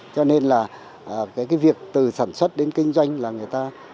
cho nên là cái việc từ sản xuất đến kinh doanh là người ta